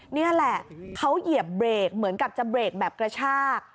นี่แหละเขาเหยียบเบรกเหมือนกับจะเบรกแบบกระชาก